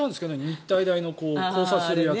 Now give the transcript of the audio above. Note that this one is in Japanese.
日体大の交差するやつは。